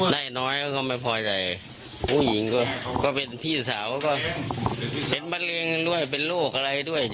ได้น้อยก็ไม่พอใจผู้หญิงก็เป็นพี่สาวก็เป็นมะเร็งด้วยเป็นโรคอะไรด้วย